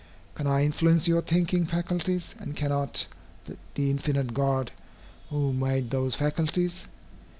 Can I influence your thinking faculties, and cannot the infinite God, who made those faculties?